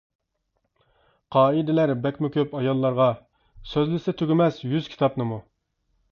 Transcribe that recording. قائىدىلەر بەكمۇ كۆپ ئاياللارغا، سۆزلىسە تۈگىمەس يۈز كىتابنىمۇ.